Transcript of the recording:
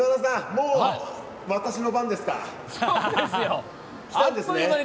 もう私の番ですか？